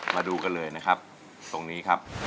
มาดูกันเลยนะครับตรงนี้ครับ